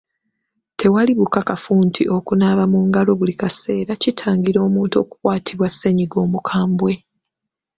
Tewali bukakafu nti okunaaba mu ngalo buli kaseera kitangira omuntu okukwatibwa ssennyiga omukambwe.